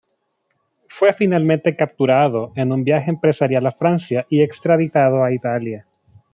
Fue finalmente capturado en un viaje empresarial a Francia, y extraditado a Italia.